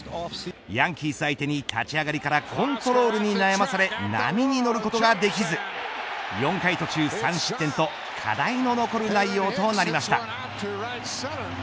ヤンキースを相手に立ち上がりからコントロールに悩まされ波に乗ることができず４回途中３失点と課題の残る内容となりました。